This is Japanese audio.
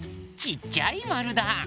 ちっちゃいまるだ！